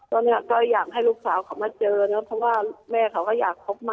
ตอนนี้ก็อยากให้ลูกสาวเขามาเจอเนอะเพราะว่าแม่เขาก็อยากคบมา